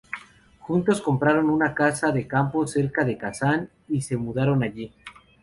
Juntos compraron una casa de campo cerca de Kazán y se mudaron allí.